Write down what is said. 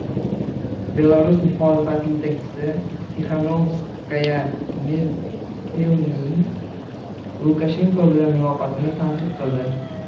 Belarus muxolifati yetakchisi Tixanovskaya Merkelning Lukashenko bilan muloqotini tanqid qildi